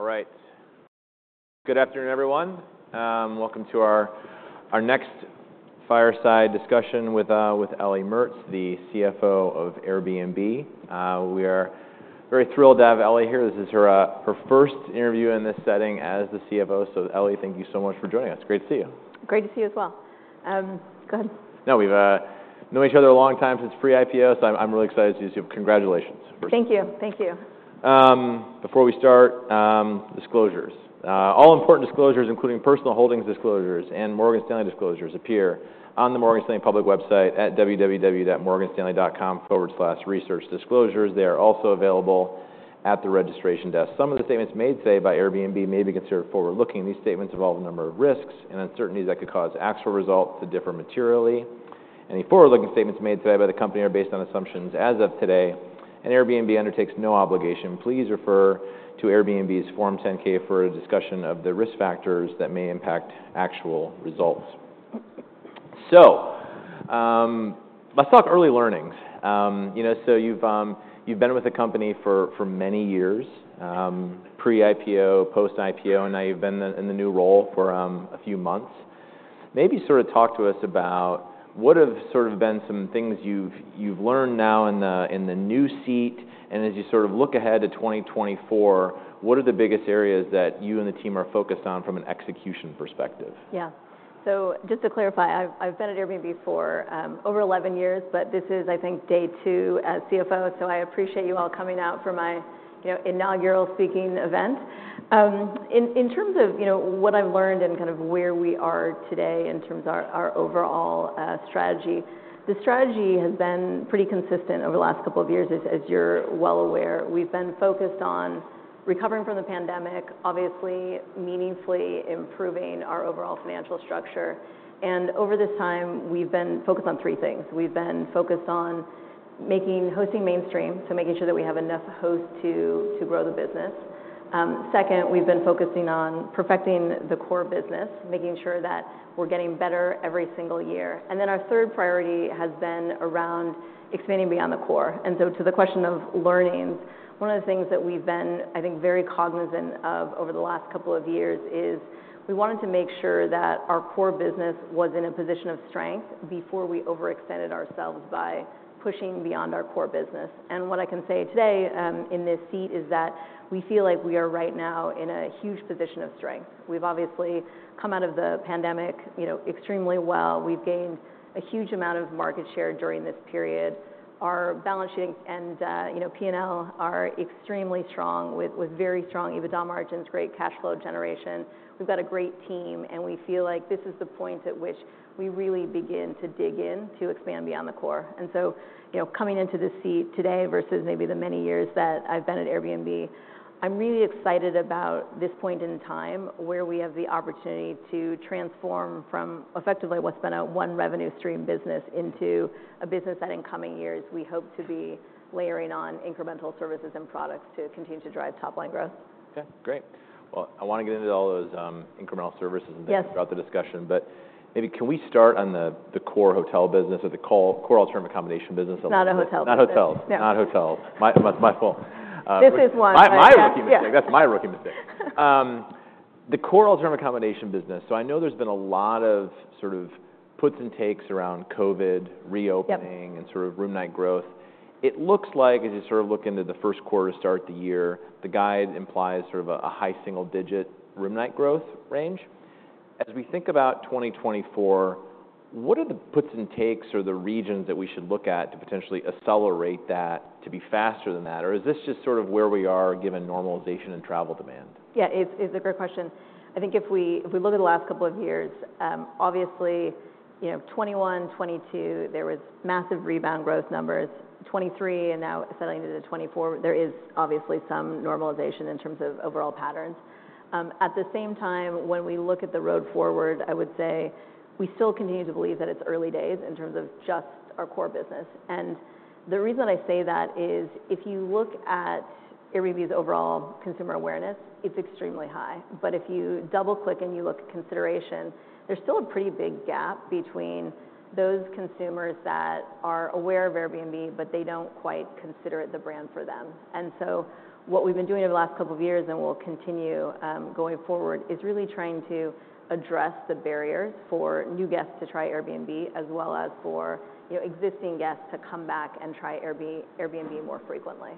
All right. Good afternoon, everyone. Welcome to our next fireside discussion with Ellie Mertz, the CFO of Airbnb. We are very thrilled to have Ellie here. This is her first interview in this setting as the CFO. So, Ellie, thank you so much for joining us. Great to see you. Great to see you as well. Go ahead. No, we've known each other a long time since pre-IPO, so I'm really excited to see you. So congratulations for. Thank you. Thank you. Before we start, disclosures. All important disclosures, including personal holdings disclosures and Morgan Stanley disclosures, appear on the Morgan Stanley public website at www.morganstanley.com/research. Disclosures, they are also available at the registration desk. Some of the statements made today by Airbnb may be considered forward-looking. These statements involve a number of risks and uncertainties that could cause actual results to differ materially. Any forward-looking statements made today by the company are based on assumptions as of today, and Airbnb undertakes no obligation. Please refer to Airbnb's Form 10-K for a discussion of the risk factors that may impact actual results. So, let's talk early learnings. You know, so you've been with the company for many years, pre-IPO, post-IPO, and now you've been in the new role for a few months. Maybe sort of talk to us about what have sort of been some things you've learned now in the new seat, and as you sort of look ahead to 2024, what are the biggest areas that you and the team are focused on from an execution perspective? Yeah. So just to clarify, I've been at Airbnb for over 11 years, but this is, I think, day 2 as CFO. So I appreciate you all coming out for my, you know, inaugural speaking event. In terms of, you know, what I've learned and kind of where we are today in terms of our overall strategy, the strategy has been pretty consistent over the last couple of years, as you're well aware. We've been focused on recovering from the pandemic, obviously, meaningfully improving our overall financial structure. And over this time, we've been focused on three things. We've been focused on making hosting mainstream, so making sure that we have enough hosts to grow the business. Second, we've been focusing on perfecting the core business, making sure that we're getting better every single year. And then our third priority has been around expanding beyond the core. And so to the question of learnings, one of the things that we've been, I think, very cognizant of over the last couple of years is we wanted to make sure that our core business was in a position of strength before we overextended ourselves by pushing beyond our core business. And what I can say today, in this seat, is that we feel like we are right now in a huge position of strength. We've obviously come out of the pandemic, you know, extremely well. We've gained a huge amount of market share during this period. Our balance sheet and, you know, P&L are extremely strong, with very strong EBITDA margins, great cash flow generation. We've got a great team, and we feel like this is the point at which we really begin to dig in to expand beyond the core. And so, you know, coming into this seat today versus maybe the many years that I've been at Airbnb, I'm really excited about this point in time where we have the opportunity to transform from effectively what's been a one-revenue stream business into a business that in coming years we hope to be layering on incremental services and products to continue to drive top-line growth. Okay. Great. Well, I wanna get into all those incremental services and things. Yes. Throughout the discussion. But maybe can we start on the core hotel business or the call core alternative accommodation business? Not a hotel business. Not hotels. No. Not hotels. My, my, my fault. This is one. My, my rookie mistake. That's my rookie mistake. The core alternative accommodation business so I know there's been a lot of sort of puts and takes around COVID, reopening. Yeah. Sort of room-night growth. It looks like, as you sort of look into the first quarter to start the year, the guide implies sort of a, a high single-digit room-night growth range. As we think about 2024, what are the puts and takes or the regions that we should look at to potentially accelerate that to be faster than that? Or is this just sort of where we are given normalization and travel demand? Yeah. It's, it's a great question. I think if we if we look at the last couple of years, obviously, you know, 2021, 2022, there was massive rebound growth numbers. 2023, and now settling into 2024, there is obviously some normalization in terms of overall patterns. At the same time, when we look at the road forward, I would say we still continue to believe that it's early days in terms of just our core business. And the reason that I say that is if you look at Airbnb's overall consumer awareness, it's extremely high. But if you double-click and you look at consideration, there's still a pretty big gap between those consumers that are aware of Airbnb, but they don't quite consider it the brand for them. What we've been doing over the last couple of years and will continue, going forward, is really trying to address the barriers for new guests to try Airbnb as well as for, you know, existing guests to come back and try Airbnb more frequently.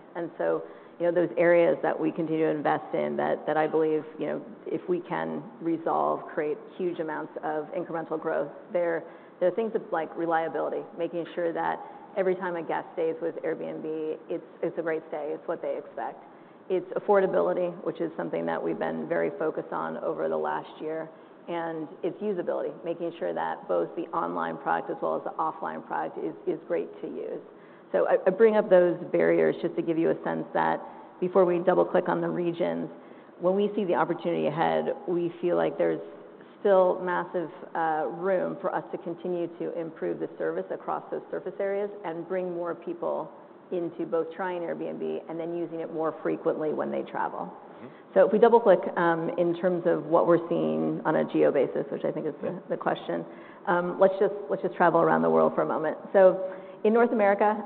You know, those areas that we continue to invest in that I believe, you know, if we can resolve, create huge amounts of incremental growth, there are things like reliability, making sure that every time a guest stays with Airbnb, it's a great stay. It's what they expect. It's affordability, which is something that we've been very focused on over the last year. And it's usability, making sure that both the online product as well as the offline product is great to use. So I bring up those barriers just to give you a sense that before we double-click on the regions, when we see the opportunity ahead, we feel like there's still massive room for us to continue to improve the service across those surface areas and bring more people into both trying Airbnb and then using it more frequently when they travel. Mm-hmm. If we double-click, in terms of what we're seeing on a geo basis, which I think is the. Yeah. The question, let's just travel around the world for a moment. So in North America,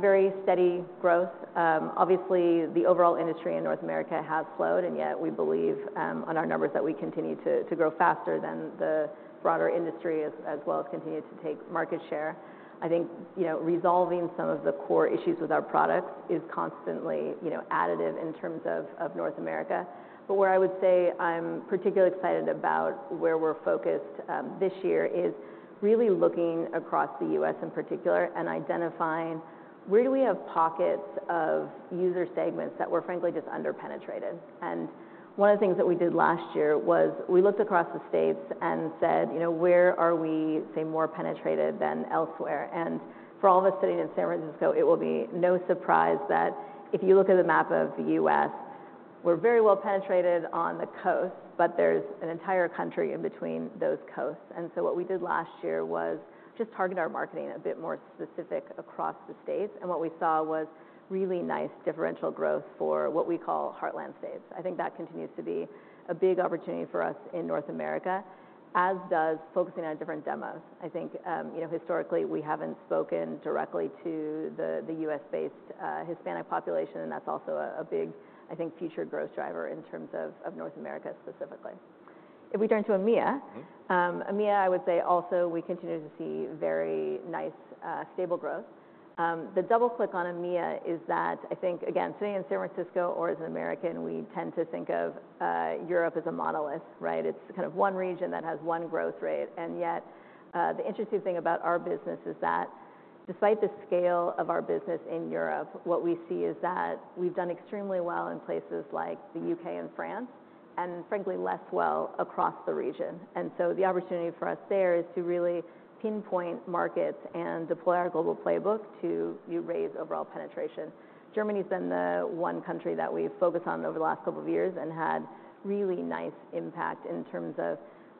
very steady growth. Obviously, the overall industry in North America has slowed, and yet we believe, on our numbers, that we continue to, to grow faster than the broader industry as, as well as continue to take market share. I think, you know, resolving some of the core issues with our products is constantly, you know, additive in terms of, of North America. But where I would say I'm particularly excited about where we're focused, this year is really looking across the U.S. in particular and identifying where do we have pockets of user segments that were, frankly, just underpenetrated. And one of the things that we did last year was we looked across the states and said, you know, where are we, say, more penetrated than elsewhere? For all of us sitting in San Francisco, it will be no surprise that if you look at the map of the U.S., we're very well penetrated on the coasts, but there's an entire country in between those coasts. So what we did last year was just target our marketing a bit more specific across the states. What we saw was really nice differential growth for what we call Heartland states. I think that continues to be a big opportunity for us in North America, as does focusing on different demos. I think, you know, historically, we haven't spoken directly to the U.S.-based Hispanic population, and that's also a big, I think, future growth driver in terms of North America specifically. If we turn to EMEA. Mm-hmm. EMEA, I would say also we continue to see very nice, stable growth. The double-click on EMEA is that I think, again, sitting in San Francisco or as an American, we tend to think of Europe as a monolith, right? It's kind of one region that has one growth rate. And yet, the interesting thing about our business is that despite the scale of our business in Europe, what we see is that we've done extremely well in places like the U.K. and France and, frankly, less well across the region. And so the opportunity for us there is to really pinpoint markets and deploy our global playbook to, you know, raise overall penetration. Germany's been the one country that we've focused on over the last couple of years and had really nice impact in terms of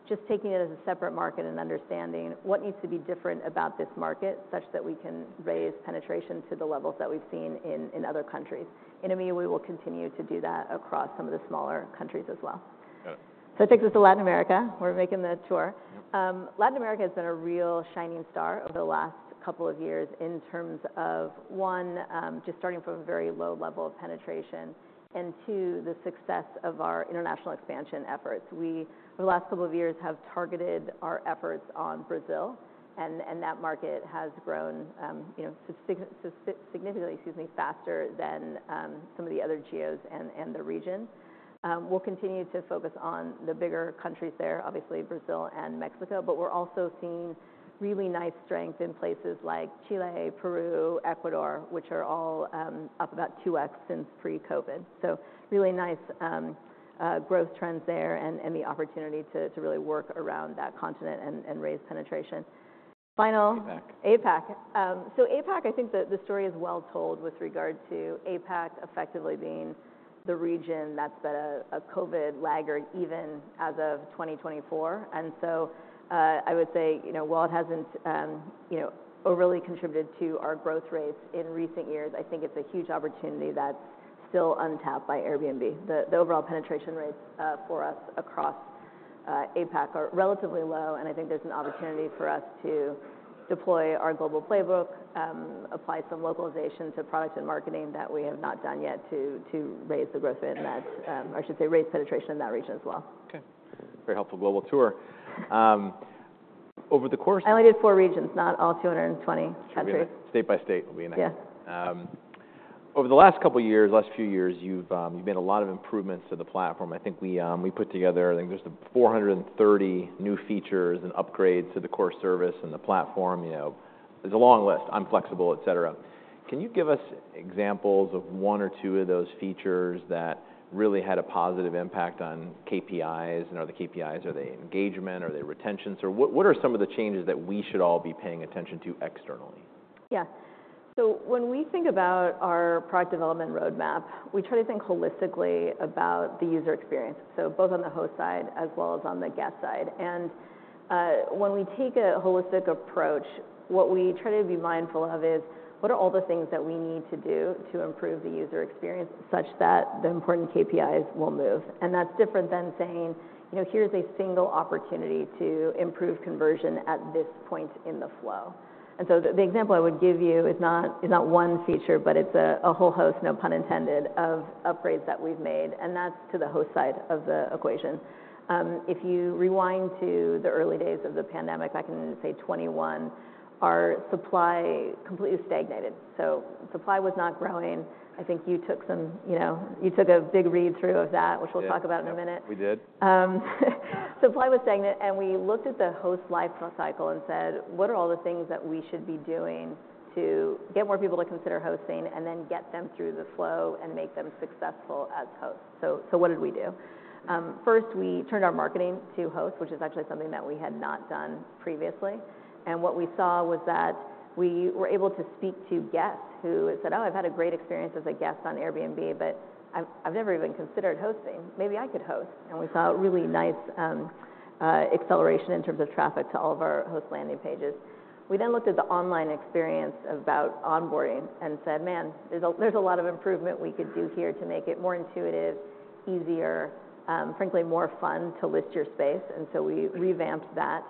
just taking it as a separate market and understanding what needs to be different about this market such that we can raise penetration to the levels that we've seen in other countries. In EMEA, we will continue to do that across some of the smaller countries as well. Got it. It takes us to Latin America. We're making the tour. Yep. Latin America has been a real shining star over the last couple of years in terms of, one, just starting from a very low level of penetration, and two, the success of our international expansion efforts. We, over the last couple of years, have targeted our efforts on Brazil, and that market has grown, you know, significantly faster than some of the other geos and the region. We'll continue to focus on the bigger countries there, obviously, Brazil and Mexico. But we're also seeing really nice strength in places like Chile, Peru, Ecuador, which are all up about 2x since pre-COVID. So really nice growth trends there and the opportunity to really work around that continent and raise penetration. Final. APAC. APAC. So APAC, I think the story is well told with regard to APAC effectively being the region that's been a COVID laggard even as of 2024. And so, I would say, you know, while it hasn't, you know, overly contributed to our growth rates in recent years, I think it's a huge opportunity that's still untapped by Airbnb. The overall penetration rates for us across APAC are relatively low, and I think there's an opportunity for us to deploy our global playbook, apply some localization to product and marketing that we have not done yet to raise the growth rate in that, or I should say raise penetration in that region as well. Okay. Very helpful global tour over the course. I only did 4 regions, not all 220 countries. Can we do that? State by state will be nice. Yeah. Over the last couple of years, last few years, you've made a lot of improvements to the platform. I think we put together. I think there's 430 new features and upgrades to the core service and the platform. You know, there's a long list. I'm Flexible, etc. Can you give us examples of one or two of those features that really had a positive impact on KPIs? And are the KPIs engagement? Are they retention? So, what are some of the changes that we should all be paying attention to externally? Yeah. So when we think about our product development roadmap, we try to think holistically about the user experience, so both on the host side as well as on the guest side. And, when we take a holistic approach, what we try to be mindful of is what are all the things that we need to do to improve the user experience such that the important KPIs will move? And that's different than saying, you know, here's a single opportunity to improve conversion at this point in the flow. And so the, the example I would give you is not is not one feature, but it's a, a whole host, no pun intended, of upgrades that we've made. And that's to the host side of the equation. If you rewind to the early days of the pandemic, back in, say, 2021, our supply completely stagnated. So supply was not growing. I think you took some, you know, you took a big read-through of that, which we'll talk about in a minute. Yeah. We did. Supply was stagnant, and we looked at the host life cycle and said, "What are all the things that we should be doing to get more people to consider hosting and then get them through the flow and make them successful as hosts?" So, what did we do? First, we turned our marketing to host, which is actually something that we had not done previously. And what we saw was that we were able to speak to guests who had said, "Oh, I've had a great experience as a guest on Airbnb, but I've never even considered hosting. Maybe I could host." And we saw a really nice acceleration in terms of traffic to all of our host landing pages. We then looked at the online experience about onboarding and said, "Man, there's a lot of improvement we could do here to make it more intuitive, easier, frankly, more fun to list your space." And so we. Mm-hmm. Revamped that.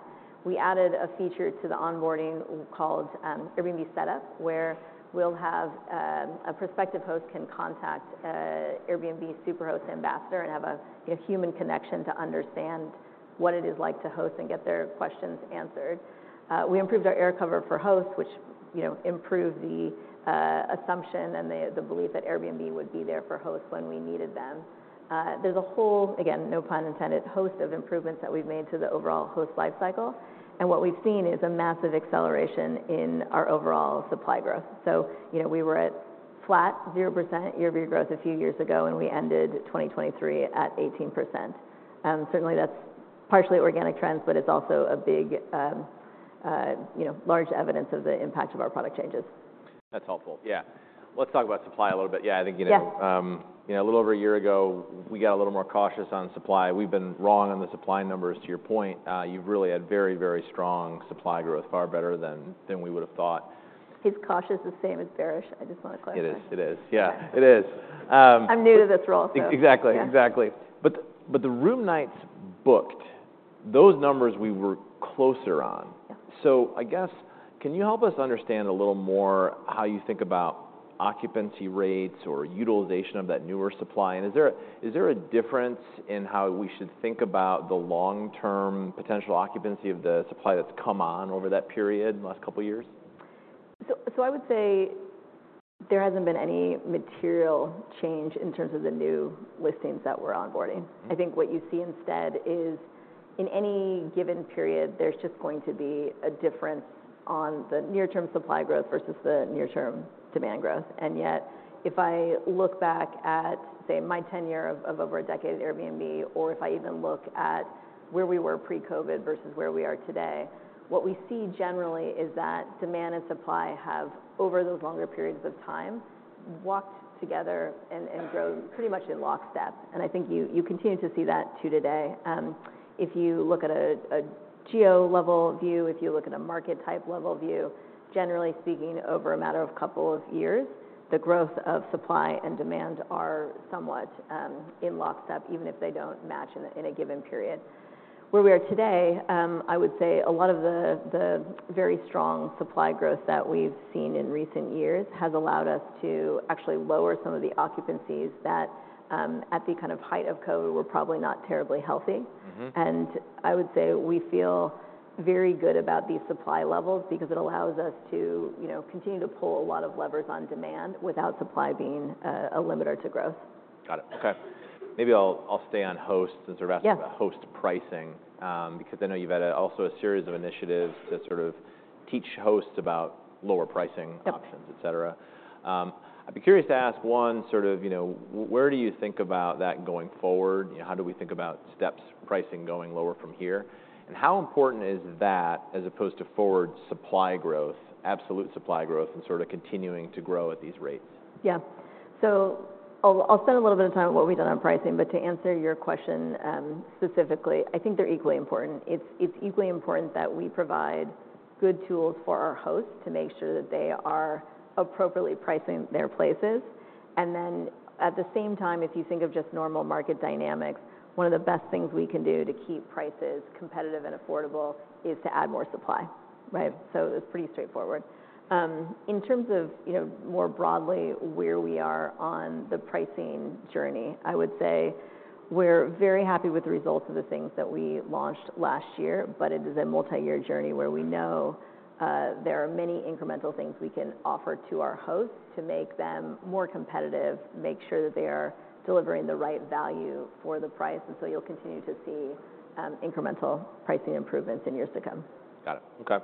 We added a feature to the onboarding called Airbnb Setup, where we'll have a prospective host can contact Airbnb's Superhost Ambassador and have a human connection to understand what it is like to host and get their questions answered. We improved our AirCover for Hosts, which, you know, improved the assumption and the belief that Airbnb would be there for hosts when we needed them. There's a whole, again, no pun intended, host of improvements that we've made to the overall host life cycle. What we've seen is a massive acceleration in our overall supply growth. So, you know, we were at flat 0% year-over-year growth a few years ago, and we ended 2023 at 18%. Certainly, that's partially organic trends, but it's also a big, you know, large evidence of the impact of our product changes. That's helpful. Yeah. Let's talk about supply a little bit. Yeah. I think, you know. Yeah. You know, a little over a year ago, we got a little more cautious on supply. We've been wrong on the supply numbers, to your point. You've really had very, very strong supply growth, far better than we would have thought. He's cautious, the same as bearish. I just wanna clarify. It is. It is. Yeah. It is. I'm new to this role, so. Exactly. Exactly. But the room nights booked, those numbers we were closer on. Yeah. So I guess, can you help us understand a little more how you think about occupancy rates or utilization of that newer supply? And is there a difference in how we should think about the long-term potential occupancy of the supply that's come on over that period in the last couple of years? So, I would say there hasn't been any material change in terms of the new listings that we're onboarding. Mm-hmm. I think what you see instead is in any given period, there's just going to be a difference on the near-term supply growth versus the near-term demand growth. And yet, if I look back at, say, my tenure of over a decade at Airbnb or if I even look at where we were pre-COVID versus where we are today, what we see generally is that demand and supply have, over those longer periods of time, walked together and grown pretty much in lockstep. And I think you continue to see that too today. If you look at a geo level view, if you look at a market type level view, generally speaking, over a matter of a couple of years, the growth of supply and demand are somewhat in lockstep even if they don't match in a given period. Where we are today, I would say a lot of the very strong supply growth that we've seen in recent years has allowed us to actually lower some of the occupancies that, at the kind of height of COVID, were probably not terribly healthy. Mm-hmm. I would say we feel very good about these supply levels because it allows us to, you know, continue to pull a lot of levers on demand without supply being a limiter to growth. Got it. Okay. Maybe I'll, I'll stay on hosts instead of asking. Yeah. About host pricing, because I know you've had also a series of initiatives to sort of teach hosts about lower pricing. Yeah. Options, etc. I'd be curious to ask, one, sort of, you know, where do you think about that going forward? You know, how do we think about steps pricing going lower from here? And how important is that as opposed to forward supply growth, absolute supply growth, and sort of continuing to grow at these rates? Yeah. So I'll spend a little bit of time on what we've done on pricing. But to answer your question, specifically, I think they're equally important. It's equally important that we provide good tools for our hosts to make sure that they are appropriately pricing their places. And then at the same time, if you think of just normal market dynamics, one of the best things we can do to keep prices competitive and affordable is to add more supply, right? So it's pretty straightforward. In terms of, you know, more broadly where we are on the pricing journey, I would say we're very happy with the results of the things that we launched last year. It is a multi-year journey where we know there are many incremental things we can offer to our hosts to make them more competitive, make sure that they are delivering the right value for the price. You'll continue to see incremental pricing improvements in years to come. Got it. Okay.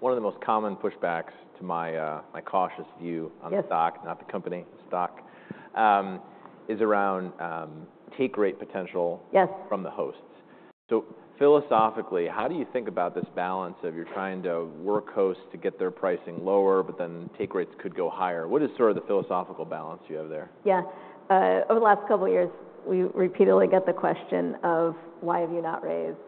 One of the most common pushbacks to my, my cautious view on the stock. Yeah. Not the company, the stock is around take rate potential. Yes. From the hosts. So philosophically, how do you think about this balance of you're trying to work hosts to get their pricing lower, but then take rates could go higher? What is sort of the philosophical balance you have there? Yeah. Over the last couple of years, we repeatedly get the question of, "Why have you not raised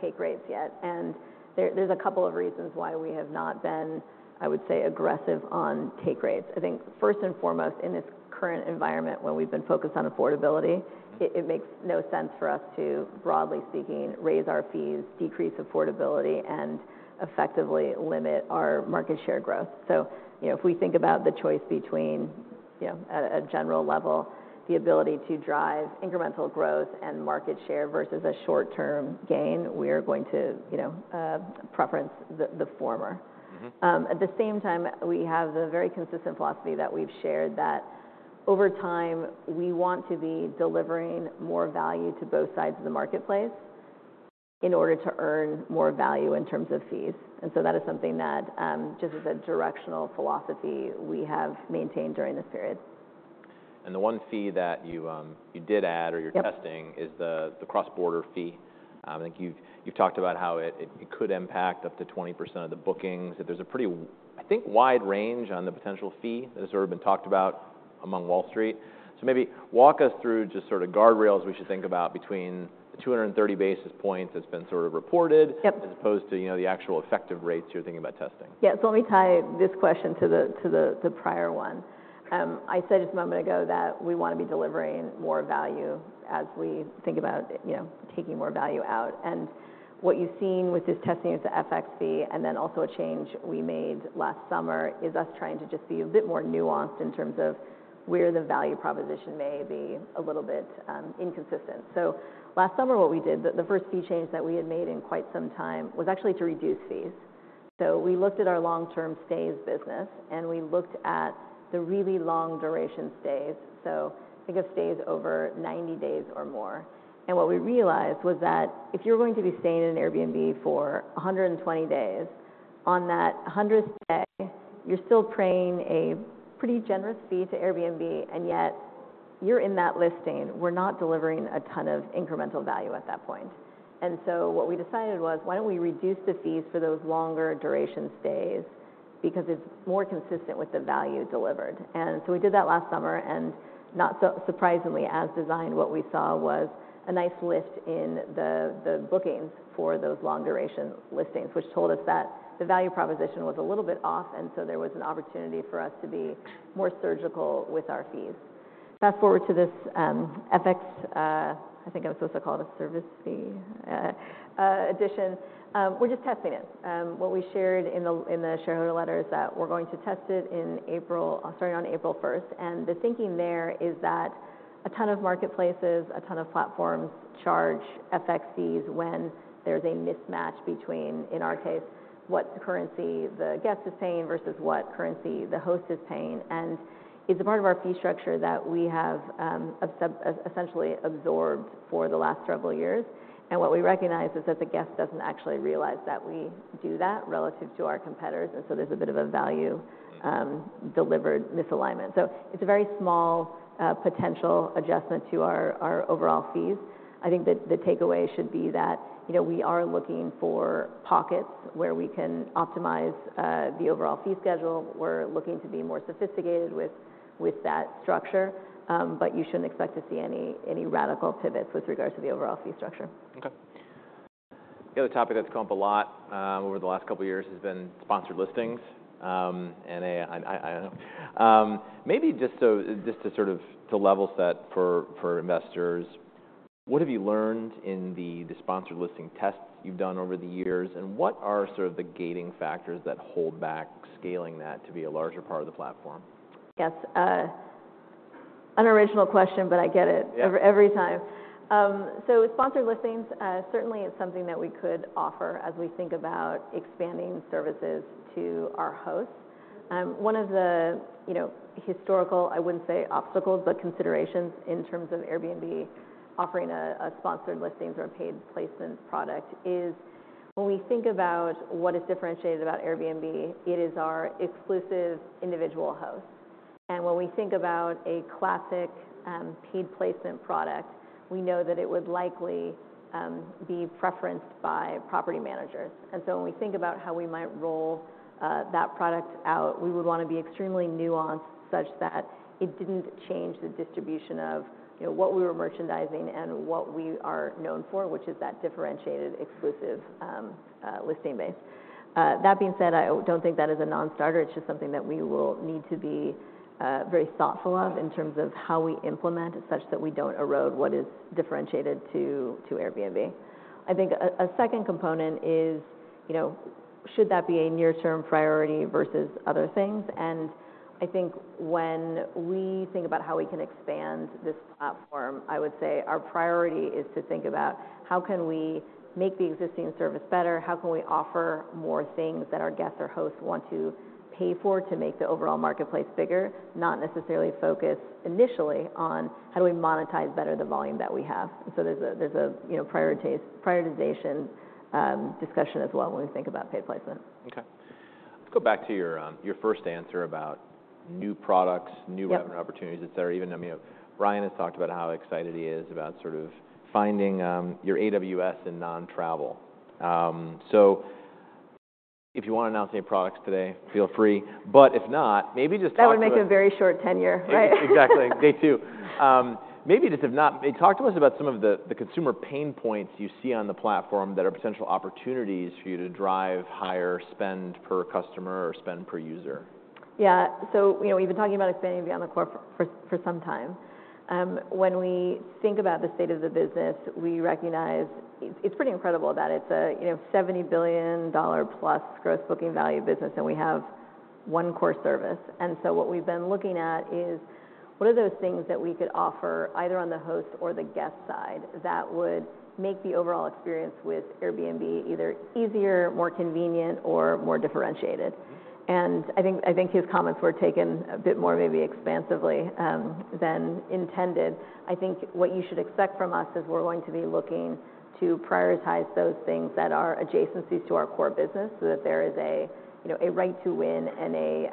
take rates yet?" And there, there's a couple of reasons why we have not been, I would say, aggressive on take rates. I think first and foremost, in this current environment when we've been focused on affordability. Mm-hmm. It makes no sense for us to, broadly speaking, raise our fees, decrease affordability, and effectively limit our market share growth. So, you know, if we think about the choice between, you know, at a general level, the ability to drive incremental growth and market share versus a short-term gain, we are going to, you know, preference the, the former. Mm-hmm. At the same time, we have the very consistent philosophy that we've shared that over time, we want to be delivering more value to both sides of the marketplace in order to earn more value in terms of fees. And so that is something that, just as a directional philosophy, we have maintained during this period. The one fee that you did add or you're testing. Yeah. Is the cross-border fee. I think you've talked about how it could impact up to 20% of the bookings. That there's a pretty, I think, wide range on the potential fee that has sort of been talked about among Wall Street. So maybe walk us through just sort of guardrails we should think about between the 230 basis points that's been sort of reported. Yep. As opposed to, you know, the actual effective rates you're thinking about testing. Yeah. So let me tie this question to the prior one. I said just a moment ago that we wanna be delivering more value as we think about, you know, taking more value out. And what you've seen with this testing of the FX fee and then also a change we made last summer is us trying to just be a bit more nuanced in terms of where the value proposition may be a little bit inconsistent. So last summer, what we did, the first fee change that we had made in quite some time was actually to reduce fees. So we looked at our long-term stays business, and we looked at the really long duration stays. So think of stays over 90 days or more. What we realized was that if you're going to be staying in an Airbnb for 120 days, on that 100th day, you're still paying a pretty generous fee to Airbnb, and yet you're in that listing. We're not delivering a ton of incremental value at that point. And so what we decided was, why don't we reduce the fees for those longer duration stays because it's more consistent with the value delivered? And so we did that last summer. And not so surprisingly, as designed, what we saw was a nice lift in the bookings for those long-duration listings, which told us that the value proposition was a little bit off. And so there was an opportunity for us to be more surgical with our fees. Fast forward to this, FX, I think I'm supposed to call it a service fee, addition. We're just testing it. What we shared in the shareholder letter is that we're going to test it in April, sorry, on April 1st. The thinking there is that a ton of marketplaces, a ton of platforms charge FX fees when there's a mismatch between, in our case, what currency the guest is paying versus what currency the host is paying. It's a part of our fee structure that we have essentially absorbed for the last several years. What we recognize is that the guest doesn't actually realize that we do that relative to our competitors. So there's a bit of a value. Mm-hmm. Delivered misalignment. So it's a very small, potential adjustment to our overall fees. I think that the takeaway should be that, you know, we are looking for pockets where we can optimize the overall fee schedule. We're looking to be more sophisticated with that structure. But you shouldn't expect to see any radical pivots with regards to the overall fee structure. Okay. The other topic that's come up a lot over the last couple of years has been sponsored listings. And I don't know, maybe just to sort of level set for investors, what have you learned in the sponsored listing tests you've done over the years? And what are sort of the gating factors that hold back scaling that to be a larger part of the platform? Yes. Unoriginal question, but I get it. Yeah. Every time. Sponsored listings, certainly it's something that we could offer as we think about expanding services to our hosts. One of the, you know, historical, I wouldn't say obstacles, but considerations in terms of Airbnb offering a sponsored listings or a paid placement product is when we think about what is differentiated about Airbnb, it is our exclusive individual host. And when we think about a classic paid placement product, we know that it would likely be preferenced by property managers. And so when we think about how we might roll that product out, we would wanna be extremely nuanced such that it didn't change the distribution of, you know, what we were merchandising and what we are known for, which is that differentiated exclusive listing base. That being said, I don't think that is a non-starter. It's just something that we will need to be very thoughtful of in terms of how we implement it such that we don't erode what is differentiated to Airbnb. I think a second component is, you know, should that be a near-term priority versus other things? And I think when we think about how we can expand this platform, I would say our priority is to think about how can we make the existing service better? How can we offer more things that our guests or hosts want to pay for to make the overall marketplace bigger, not necessarily focus initially on how do we monetize better the volume that we have? And so there's a, you know, prioritization discussion as well when we think about paid placement. Okay. Let's go back to your, your first answer about new products, new revenue. Yeah. Opportunities, etc. Even, I mean, Brian has talked about how excited he is about sort of finding your AWS in non-travel. So if you wanna announce any products today, feel free. But if not, maybe just talk about. That would make a very short tenure, right? Exactly. Day two. Maybe just if not, talk to us about some of the consumer pain points you see on the platform that are potential opportunities for you to drive higher spend per customer or spend per user. Yeah. So, you know, we've been talking about expanding beyond the core for some time. When we think about the state of the business, we recognize it's pretty incredible that it's a, you know, $70 billion-plus gross booking value business, and we have one core service. So what we've been looking at is what are those things that we could offer either on the host or the guest side that would make the overall experience with Airbnb either easier, more convenient, or more differentiated? Mm-hmm. And I think his comments were taken a bit more maybe expansively than intended. I think what you should expect from us is we're going to be looking to prioritize those things that are adjacencies to our core business so that there is a, you know, a right to win and a,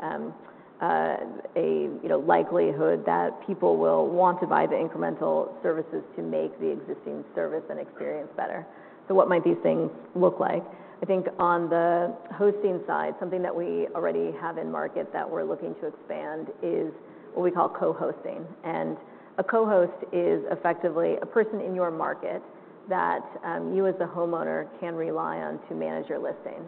you know, likelihood that people will want to buy the incremental services to make the existing service and experience better. So what might these things look like? I think on the hosting side, something that we already have in market that we're looking to expand is what we call co-hosting. And a co-host is effectively a person in your market that, you as the homeowner can rely on to manage your listing.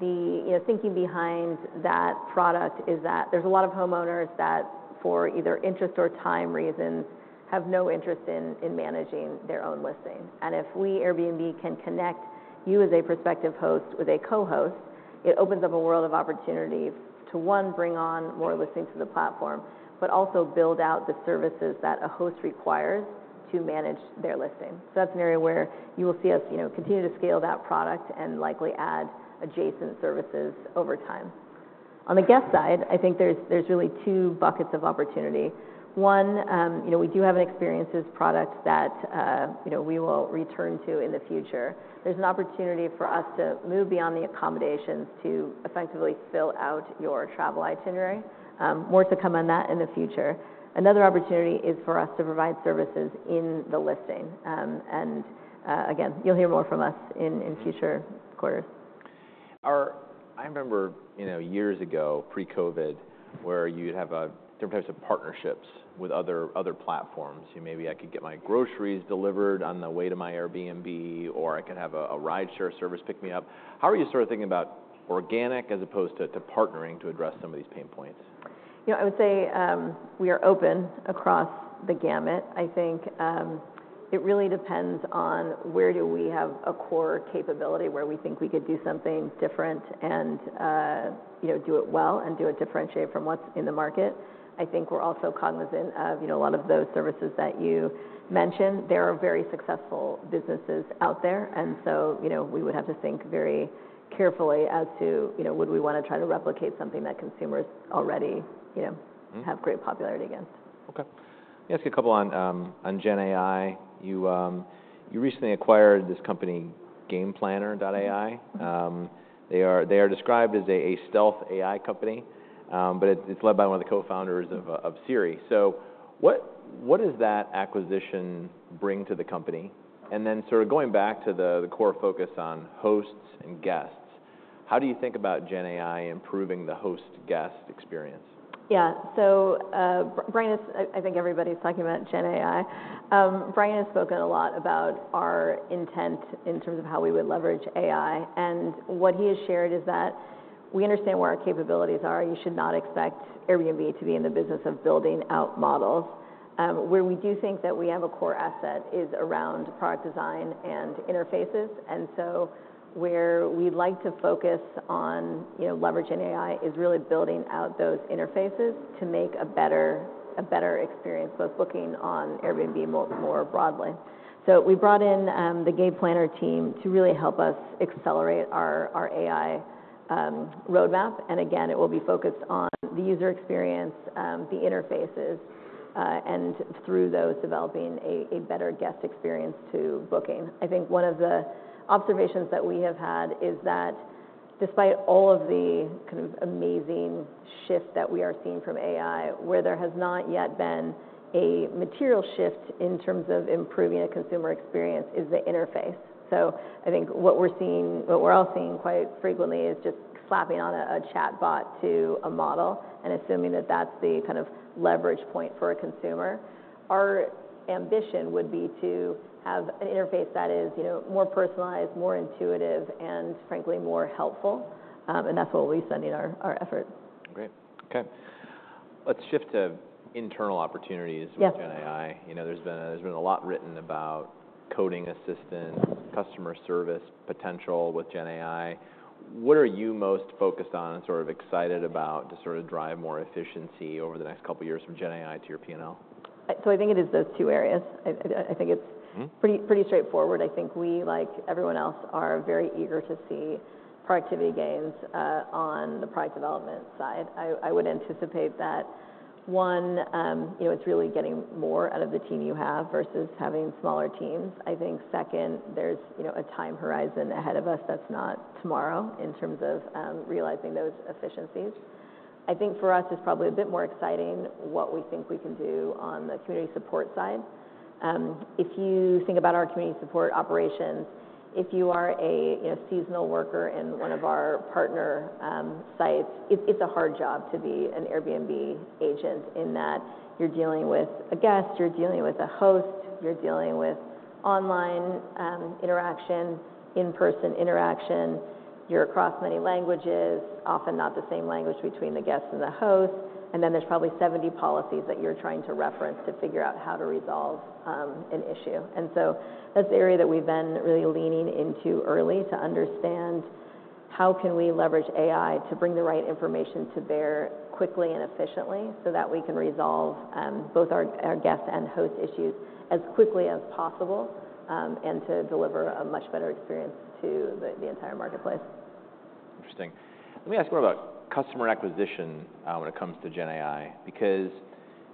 The, you know, thinking behind that product is that there's a lot of homeowners that, for either interest or time reasons, have no interest in managing their own listing. And if we, Airbnb, can connect you as a prospective host with a co-host, it opens up a world of opportunity to, one, bring on more listings to the platform, but also build out the services that a host requires to manage their listing. So that's an area where you will see us, you know, continue to scale that product and likely add adjacent services over time. On the guest side, I think there's really two buckets of opportunity. One, you know, we do have an Experiences product that, you know, we will return to in the future. There's an opportunity for us to move beyond the accommodations to effectively fill out your travel itinerary. More to come on that in the future. Another opportunity is for us to provide services in the listing. And, again, you'll hear more from us in future quarters. I remember, you know, years ago, pre-COVID, where you'd have different types of partnerships with other platforms. You know, maybe I could get my groceries delivered on the way to my Airbnb, or I could have a rideshare service pick me up. How are you sort of thinking about organic as opposed to partnering to address some of these pain points? You know, I would say, we are open across the gamut. I think, it really depends on where do we have a core capability where we think we could do something different and, you know, do it well and do it differentiate from what's in the market. I think we're also cognizant of, you know, a lot of those services that you mentioned. There are very successful businesses out there. And so, you know, we would have to think very carefully as to, you know, would we wanna try to replicate something that consumers already, you know. Mm-hmm. Have great popularity against. Okay. Let me ask you a couple on GenAI. You recently acquired this company, GamePlanner.AI. They are described as a stealth AI company. But it's led by one of the co-founders of Siri. So what does that acquisition bring to the company? And then sort of going back to the core focus on hosts and guests, how do you think about GenAI improving the host-guest experience? Yeah. So, Brian, as I think everybody's talking about GenAI. Brian has spoken a lot about our intent in terms of how we would leverage AI. And what he has shared is that we understand where our capabilities are. You should not expect Airbnb to be in the business of building out models. Where we do think that we have a core asset is around product design and interfaces. And so where we'd like to focus on, you know, leveraging AI is really building out those interfaces to make a better experience, both looking on Airbnb more broadly. So we brought in the GamePlanner team to really help us accelerate our AI roadmap. And again, it will be focused on the user experience, the interfaces, and through those developing a better guest experience to booking. I think one of the observations that we have had is that despite all of the kind of amazing shift that we are seeing from AI, where there has not yet been a material shift in terms of improving a consumer experience is the interface. So I think what we're all seeing quite frequently is just slapping on a chatbot to a model and assuming that that's the kind of leverage point for a consumer. Our ambition would be to have an interface that is, you know, more personalized, more intuitive, and frankly, more helpful. And that's what we'll be spending our effort. Great. Okay. Let's shift to internal opportunities with. Yeah. GenAI. You know, there's been a lot written about coding assistance, customer service potential with GenAI. What are you most focused on and sort of excited about to sort of drive more efficiency over the next couple of years from GenAI to your P&L? So I think it is those two areas. I think it's. Mm-hmm. Pretty, pretty straightforward. I think we, like everyone else, are very eager to see productivity gains, on the product development side. I, I would anticipate that, one, you know, it's really getting more out of the team you have versus having smaller teams. I think, second, there's, you know, a time horizon ahead of us that's not tomorrow in terms of, realizing those efficiencies. I think for us, it's probably a bit more exciting what we think we can do on the community support side. If you think about our community support operations, if you are a, you know, seasonal worker in one of our partner sites, it's a hard job to be an Airbnb agent in that you're dealing with a guest, you're dealing with a host, you're dealing with online interaction, in-person interaction, you're across many languages, often not the same language between the guest and the host. And then there's probably 70 policies that you're trying to reference to figure out how to resolve an issue. And so that's the area that we've been really leaning into early to understand how can we leverage AI to bring the right information to bear quickly and efficiently so that we can resolve both our guest and host issues as quickly as possible, and to deliver a much better experience to the entire marketplace. Interesting. Let me ask more about customer acquisition, when it comes to GenAI because,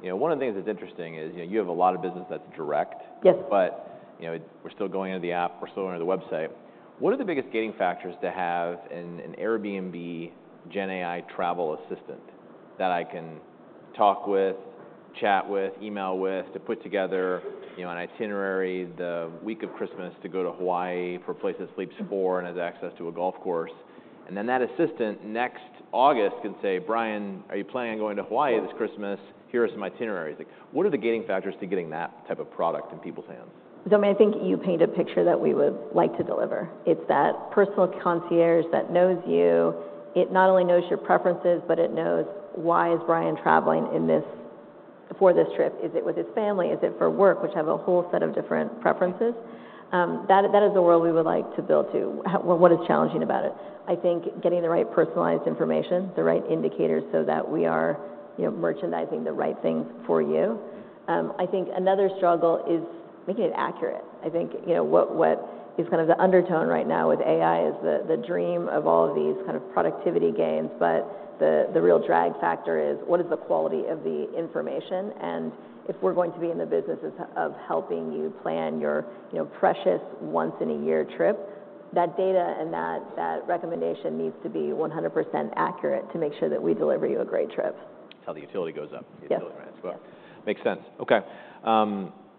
you know, one of the things that's interesting is, you know, you have a lot of business that's direct. Yes. But, you know, we're still going into the app. We're still going to the website. What are the biggest gating factors to have an Airbnb GenAI travel assistant that I can talk with, chat with, email with to put together, you know, an itinerary, the week of Christmas to go to Hawaii for a place that sleeps four and has access to a golf course? And then that assistant next August can say, "Brian, are you planning on going to Hawaii this Christmas? Here are some itineraries." Like, what are the gating factors to getting that type of product in people's hands? So I mean, I think you paint a picture that we would like to deliver. It's that personal concierge that knows you. It not only knows your preferences, but it knows why is Brian traveling in this for this trip? Is it with his family? Is it for work, which have a whole set of different preferences? That, that is a world we would like to build to. What, what is challenging about it? I think getting the right personalized information, the right indicators so that we are, you know, merchandising the right things for you. I think another struggle is making it accurate. I think, you know, what, what is kind of the undertone right now with AI is the, the dream of all of these kind of productivity gains. But the, the real drag factor is what is the quality of the information? If we're going to be in the businesses of helping you plan your, you know, precious once-in-a-year trip, that data and that recommendation needs to be 100% accurate to make sure that we deliver you a great trip. Till the utility goes up. Yes. The utility rents. Well. Yes. Makes sense. Okay. Let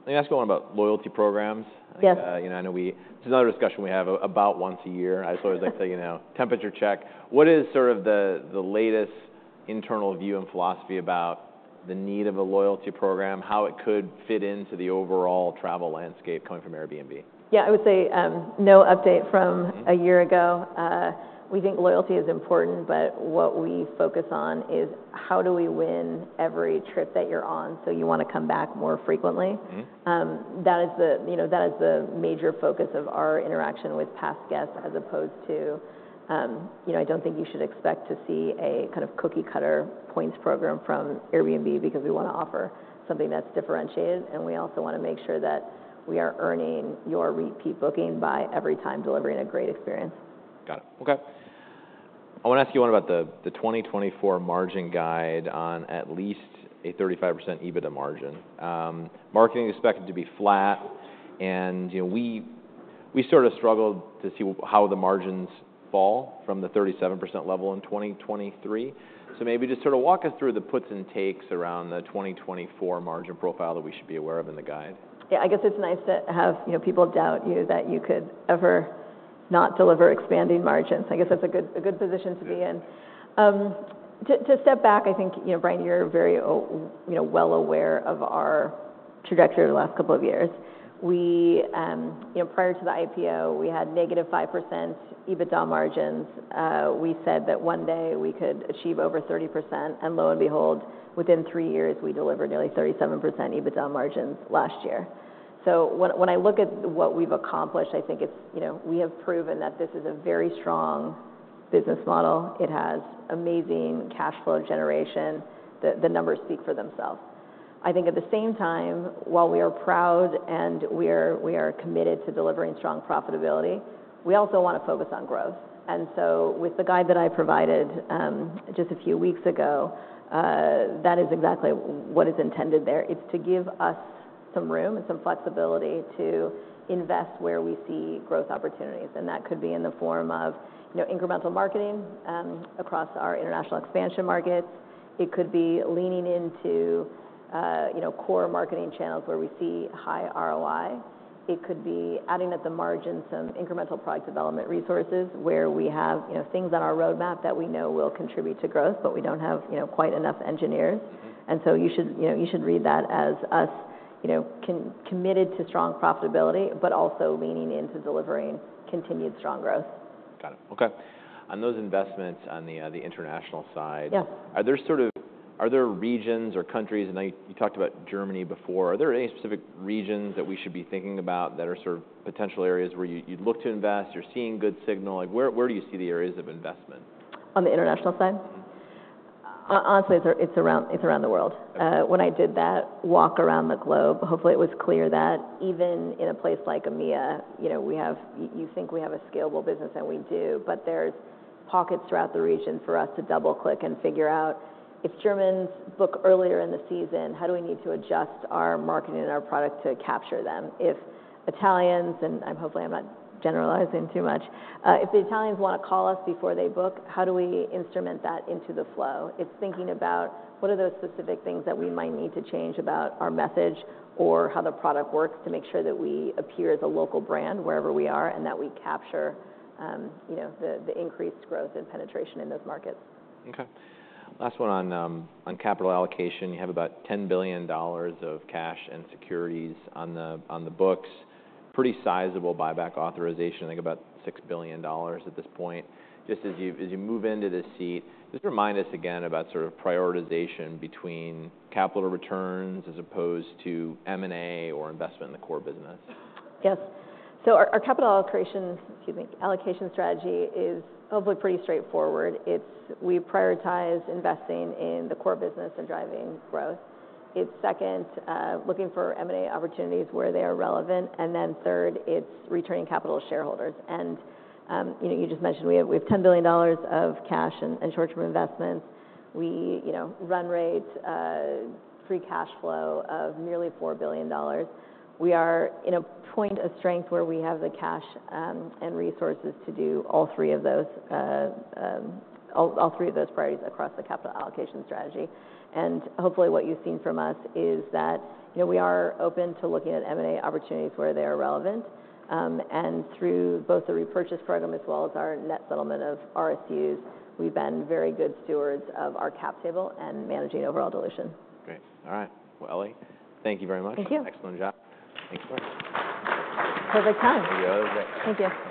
me ask you one about loyalty programs. Yes. You know, I know this is another discussion we have about once a year. I just always like to, you know, temperature check. What is sort of the latest internal view and philosophy about the need of a loyalty program, how it could fit into the overall travel landscape coming from Airbnb? Yeah. I would say, no update from. Mm-hmm. A year ago, we think loyalty is important, but what we focus on is how do we win every trip that you're on so you wanna come back more frequently? Mm-hmm. That is the, you know, that is the major focus of our interaction with past guests as opposed to, you know, I don't think you should expect to see a kind of cookie-cutter points program from Airbnb because we wanna offer something that's differentiated. We also wanna make sure that we are earning your repeat booking by every time delivering a great experience. Got it. Okay. I wanna ask you one about the 2024 margin guide on at least a 35% EBITDA margin. Marketing is expected to be flat. And, you know, we sort of struggled to see how the margins fall from the 37% level in 2023. So maybe just sort of walk us through the puts and takes around the 2024 margin profile that we should be aware of in the guide. Yeah. I guess it's nice to have, you know, people doubt you that you could ever not deliver expanding margins. I guess that's a good position to be in. To step back, I think, you know, Brian, you're very, oh, you know, well aware of our trajectory over the last couple of years. We, you know, prior to the IPO, we had negative 5% EBITDA margins. We said that one day we could achieve over 30%. And lo and behold, within three years, we delivered nearly 37% EBITDA margins last year. So when I look at what we've accomplished, I think, you know, we have proven that this is a very strong business model. It has amazing cash flow generation. The numbers speak for themselves. I think at the same time, while we are proud and we are committed to delivering strong profitability, we also wanna focus on growth. And so with the guide that I provided, just a few weeks ago, that is exactly what is intended there. It's to give us some room and some flexibility to invest where we see growth opportunities. And that could be in the form of, you know, incremental marketing, across our international expansion markets. It could be leaning into, you know, core marketing channels where we see high ROI. It could be adding at the margin some incremental product development resources where we have, you know, things on our roadmap that we know will contribute to growth, but we don't have, you know, quite enough engineers. Mm-hmm. You should, you know, you should read that as us, you know, committed to strong profitability but also leaning into delivering continued strong growth. Got it. Okay. On those investments on the international side. Yeah. Are there sort of regions or countries and now you talked about Germany before. Are there any specific regions that we should be thinking about that are sort of potential areas where you, you'd look to invest? You're seeing good signal. Like, where do you see the areas of investment? On the international side? Mm-hmm. Honestly, it's around the world. Okay. When I did that walk around the globe, hopefully, it was clear that even in a place like EMEA, you know, we have you, you think we have a scalable business, and we do. But there's pockets throughout the region for us to double-click and figure out if Germans book earlier in the season, how do we need to adjust our marketing and our product to capture them? If Italians and I'm hopefully, I'm not generalizing too much. If the Italians wanna call us before they book, how do we instrument that into the flow? It's thinking about what are those specific things that we might need to change about our message or how the product works to make sure that we appear as a local brand wherever we are and that we capture, you know, the, the increased growth and penetration in those markets. Okay. Last one on capital allocation. You have about $10 billion of cash and securities on the books. Pretty sizable buyback authorization. I think about $6 billion at this point. Just as you move into this seat, just remind us again about sort of prioritization between capital returns as opposed to M&A or investment in the core business. Yes. So our capital allocation strategy is, hopefully, pretty straightforward. It's we prioritize investing in the core business and driving growth. It's second, looking for M&A opportunities where they are relevant. And then third, it's returning capital to shareholders. And, you know, you just mentioned we have $10 billion of cash and short-term investments. We, you know, run rate free cash flow of nearly $4 billion. We are in a point of strength where we have the cash and resources to do all three of those priorities across the capital allocation strategy. And hopefully, what you've seen from us is that, you know, we are open to looking at M&A opportunities where they are relevant. Through both the repurchase program as well as our net settlement of RSUs, we've been very good stewards of our cap table and managing overall dilution. Great. All right. Well, Ellie, thank you very much. Thank you. Excellent job. Thanks for. Perfect time. There you go. That was great. Thank you.